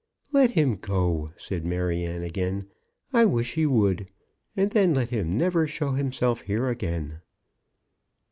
"Let him go," said Maryanne again. "I wish he would. And then let him never show himself here again."